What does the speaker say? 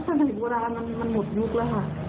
สำหรับเวลามันหมดยุคแล้วค่ะ